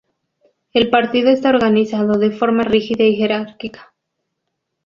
El Partido está organizado de forma rígida y jerárquica.